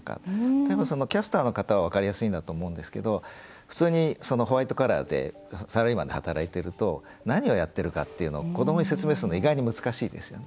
例えばキャスターの方は分かりやすいと思うんですけど普通にホワイトカラーでサラリーマンの方で何をやってるかっていうのを子どもに説明するのって意外に難しいんですね。